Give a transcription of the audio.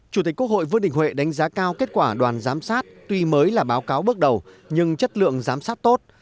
chủ tịch quốc hội vương đình huệ đánh giá cao kết quả đoàn giám sát tuy mới là báo cáo bước đầu nhưng chất lượng giám sát tốt